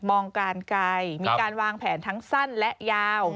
มองการไกลมีการวางแผนทั้งสั้นและยาว